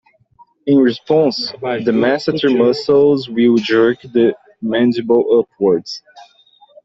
In response, the masseter muscles will jerk the mandible upwards.